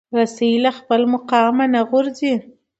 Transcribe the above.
رسۍ له خپل مقامه نه غورځي.